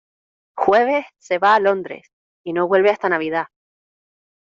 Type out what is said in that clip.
Jueves se va a Londres y no vuelve hasta Navidad.